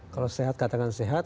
kalau sehat katakan sehat